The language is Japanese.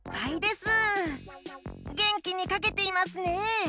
げんきにかけていますね！